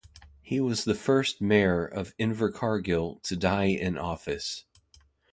He was the first Mayor of Invercargill to die in office.